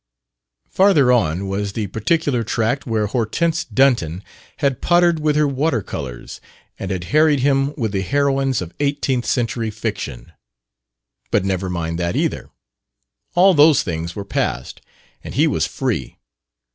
Farther on was the particular tract where Hortense Dunton had pottered with her water colors and had harried him with the heroines of eighteenth century fiction, but never mind that, either. All those things were past, and he was free.